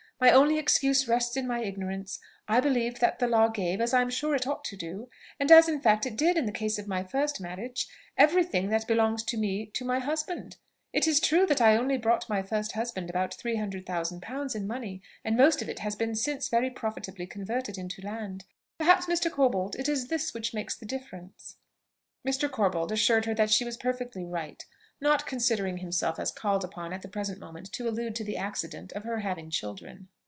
My only excuse rests in my ignorance. I believed that the law gave, as I am sure it ought to do, and as in fact it did in the case of my first marriage, every thing that belongs to me to my husband. It is true that I only brought my first husband about three hundred thousand pounds in money, and most of it has been since very profitably converted into land. Perhaps, Mr. Corbold, it is this which makes the difference." Mr. Corbold assured her that she was perfectly right, not considering himself as called upon at the present moment to allude to the accident of her having children.